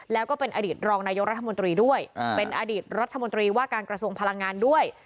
แล้วก็เป็นอดีตรองนายกรัฐมนตรีด้วยเป็นอดีตรัฐมนตรีว่าการกระทรวงพลังงานด้วย